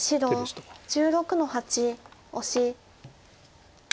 白１６の八オシ。